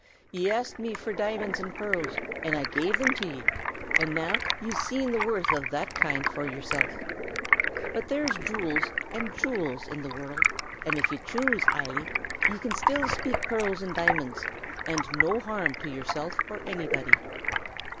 Ye asked me for diamonds and pearls, and I gave them to ye; and now ye've seen the worth of that kind for yourself. But there's jewels and jewels in the world, and if ye choose, Eily, ye can still speak pearls and diamonds, and no harm to yourself or anybody."